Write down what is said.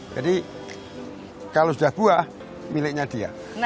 jadi kalau sudah buah miliknya dia